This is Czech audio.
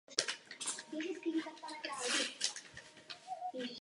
Toho se snaží dosáhnout skrze hybridní a informační válku.